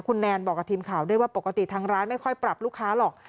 คุณแนนบอกกับทีมข่าวด้วยว่าปกติทางร้านไม่ค่อยปรับลูกค้าหรอก